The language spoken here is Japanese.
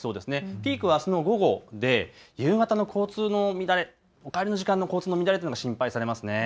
ピークはあすの午後で夕方の交通の乱れ、お帰りの時間の交通の乱れ、心配されます。